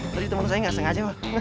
tadi temen saya gak sengaja pak